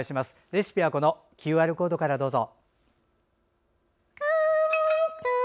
レシピはＱＲコードからどうぞ。